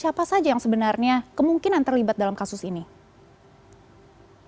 baik pak toho tadi menyebut beberapa kali siapapun yang terlibat harus dihukum